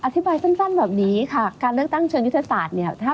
อธิบายสั้นแบบนี้ค่ะการเลือกตั้งเชิงยุทธศาสตร์เนี่ย